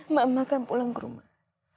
mama akan pulang ke rumah